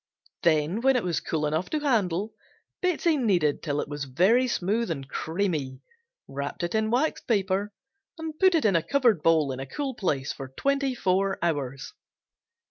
Then when it was cool enough to handle Betsey kneaded till it was very smooth and creamy, wrapped in waxed paper, and put in a covered bowl in a cool place for twenty four hours.